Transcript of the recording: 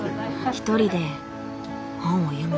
一人で本を読む。